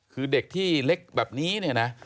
คือเด็กที่เล็กแบบนี้เนี่ยนะ